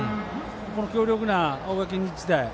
強力な大垣日大。